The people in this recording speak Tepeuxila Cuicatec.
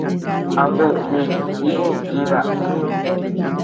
¿A duʼu nichid iku nʼiba?